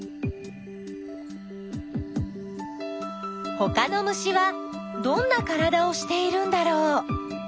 ほかの虫はどんなからだをしているんだろう？